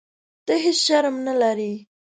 ته هیح شرم نه لرې.